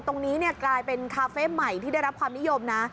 ตรงนี้กลายเป็นคาเฟ่ใหม่ที่ได้รับความนิยมนะ